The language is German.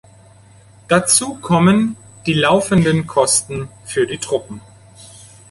Dazu kommen die laufenden Kosten für die Truppen.